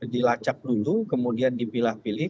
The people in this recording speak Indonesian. dilacak dulu kemudian dipilah pilih